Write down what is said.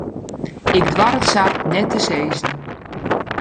Ik doar it sa net te sizzen.